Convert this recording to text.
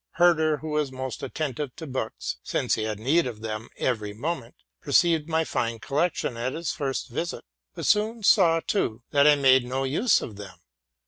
Herder, who was most attentive to books, since he had need of them every moment, perceived my fine collection at his first visit, but soon saw, too, that I made no use of them.